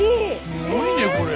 すごいねこれ。